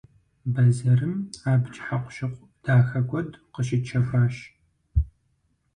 Бэзэрым абдж хьэкъущыкъу дахэ куэд къыщытщэхуащ.